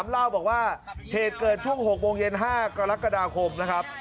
เล่าบอกว่าเหตุเกิดช่วง๖โมงเย็น๕กรกฎาคมนะครับ